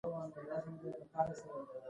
هغوی په ښایسته غزل کې پر بل باندې ژمن شول.